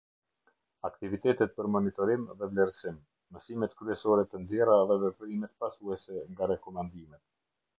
Aktivitetet për monitorim dhe vlerësim, mësimet kryesore të nxjerra dhe veprimet pasuese nga rekomandimet.